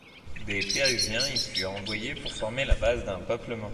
Des Péruviens y furent envoyés pour former la base d'un peuplement.